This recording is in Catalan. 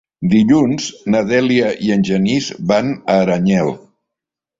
Dilluns na Dèlia i en Genís van a Aranyel.